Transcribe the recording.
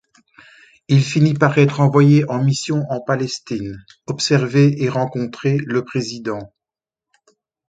Il finit par être envoyé en mission en Palestine, observer et rencontrer le président.